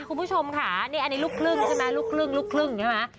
คุณผู้ชมคะอันนี้ลูกครึ่งใช่ไหมลูกครึ่งใช่ไหม